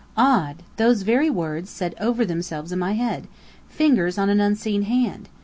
Odd! Those very words said over themselves in my head: "Fingers on an unseen hand."